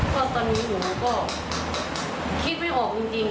ก็ตอนนี้หนูก็คิดไม่ออกจริง